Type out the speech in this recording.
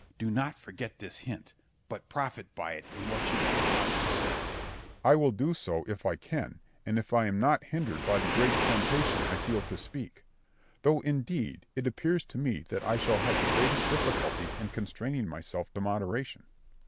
Do not forget this hint, but profit by it in what you are about to say. Berg. I will do so, if I can, and if I am not hindered by the great temptation I feel to speak; though, indeed, it appears to me that I shall have the greatest difficulty in constraining myself to moderation.